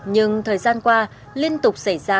nhưng thời gian qua liên tục xảy ra